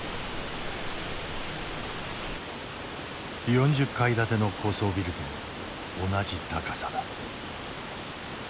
４０階建ての高層ビルと同じ高さだ。